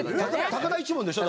高田一門でしょ？